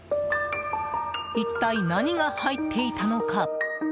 一体、何が入っていたのか。